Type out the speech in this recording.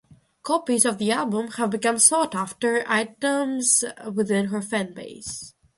Copies of the album have become sought-after items within her fan base.